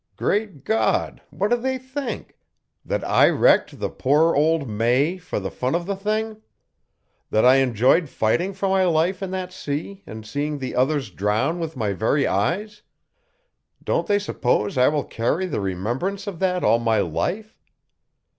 "Great God! what do they think? That I wrecked the poor old May for the fun of the thing? That I enjoyed fighting for my life in that sea and seeing the others drown with my very eyes? Don't they suppose I will carry the remembrance of that all my life?